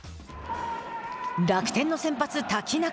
楽天の先発瀧中。